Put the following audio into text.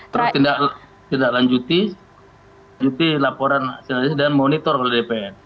terus tidak lanjuti laporan dan monitor oleh dpr